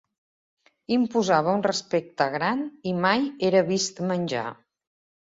Imposava un respecte gran, i mai era vist menjar.